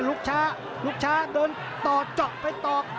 ลูกช้าลูกช้าโดนต่อจ๊อปไปต่อ